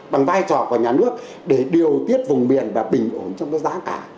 bằng vai trò của nhà nước để điều tiết vùng biển và bình ổn trong cái giá cả